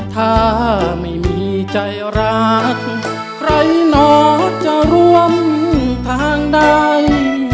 ถ้าไม่มีใจรักใครหนอจะร่วมทางใด